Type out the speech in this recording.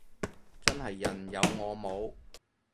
真係人有我冇